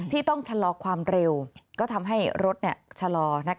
ที่ต้องชะลอความเร็วก็ทำให้รถชะลอ